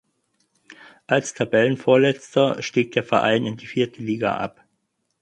Als Tabellenvorletzter stieg der Verein in die vierte Liga ab.